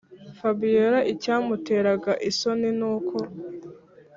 fabiora icyamuteraga isoni nuko